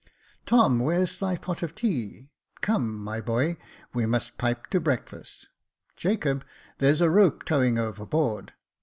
Tom, where's my pot of tea ? Come, my boy, we must pipe to breakfast. Jacob, there's a rope towing overboard.